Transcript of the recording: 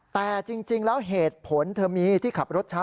แต่จริงแล้วเหตุผลเธอมีที่ขับรถช้า